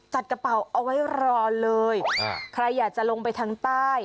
กระเป๋าเอาไว้รอเลยใครอยากจะลงไปทางใต้